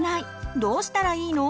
どうしたらいいの？